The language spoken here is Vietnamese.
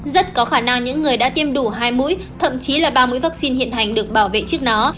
rất có khả năng những người đã tiêm đủ hai mũi thậm chí là ba mũi vaccine hiện hành được bảo vệ trước nó